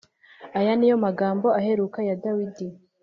Aya ni yo magambo aheruka ya Dawidi